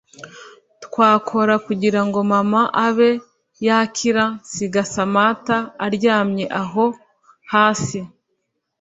twakora kugira ngo mama abe yakira nsiga Samantha aryamye aho hasi